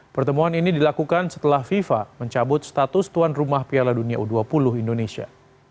pertemuan ini dilakukan setelah fifa mencabut status tuan rumah piala dunia u dua puluh indonesia